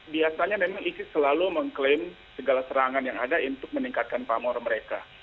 biasanya memang isis selalu mengklaim segala serangan yang ada untuk meningkatkan pamor mereka